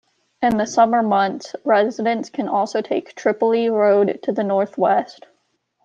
In the summer months residents can also take Tripoli Road to the northwest.